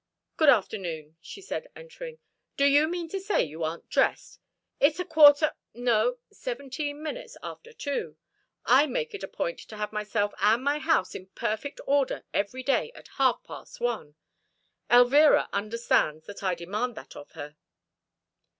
"Good afternoon," she said, entering. "Do you mean to say you aren't dressed? It's quarter no, seventeen minutes after two! I make it a point to have myself and my house in perfect order every day at half past one Elvira understands that I demand that of her."